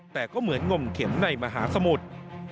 แต่ก็เหมือนงมเข็มในมหาสมุทร